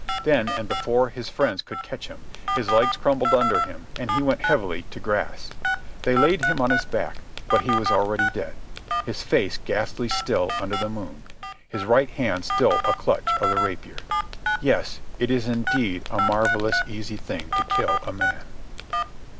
Then, and before his friends could catch him, his legs crumpled under him and he went heavily to grass. They laid him on his back, but he was already dead, his face ghastly still under the moon, his right hand still a clutch of the rapier. Yes; it is indeed a marvellous easy thing to kill a man.